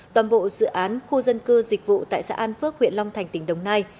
toàn bộ dự án khu dân cư dịch vụ tại xã an phước huyện long thành tỉnh đồng nai